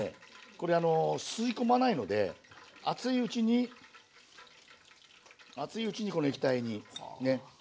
これ吸い込まないので熱いうちに熱いうちにこの液体にね。